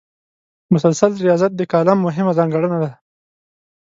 مسلسل ریاضت د کالم مهمه ځانګړنه ده.